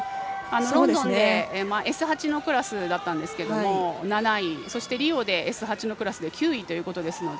ロンドンでＳ８のクラスだったんですけれども７位、そしてリオでＳ８のクラスで９位ということですので。